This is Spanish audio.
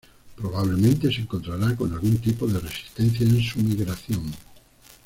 Probablemente se encontraran con algún tipo de resistencia en su migración.